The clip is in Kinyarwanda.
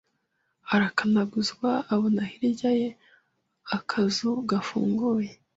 Arakanaguzwa abona hirya ye akazu gafunguye